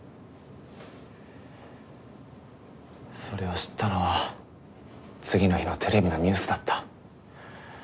それを知ったのは次の日のテレビのニュースだった。